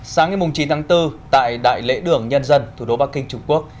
sáng ngày chín tháng bốn tại đại lễ đường nhân dân thủ đô bắc kinh trung quốc